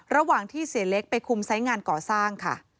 ระหว่างที่เสียเล็กไปคุมไซส์งานก่อสร้างค่ะ